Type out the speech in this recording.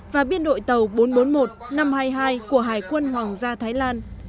và biên đội tàu bốn trăm bốn mươi một năm trăm hai mươi hai của hải quân hoàng gia thái lan